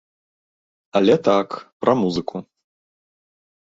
Але так, пра музыку.